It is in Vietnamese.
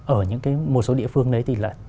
ở những cái một số địa phương đấy thì lại